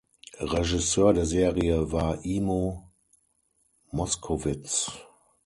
Regisseur der Serie war Imo Moszkowicz.